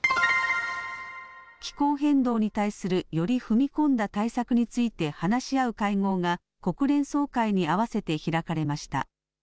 気候変動に対するより踏み込んだ対策について話し合う会合が国連総会に合わせて開かれました。